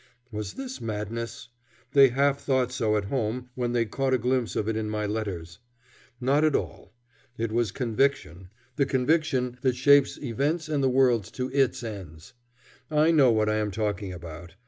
Was this madness? They half thought so at home when they caught a glimpse of it in my letters. Not at all. It was conviction the conviction that shapes events and the world to its ends. I know what I am talking about.